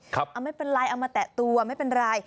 เอาไม่เป็นไรเอามาแตะตัวไม่เป็นไร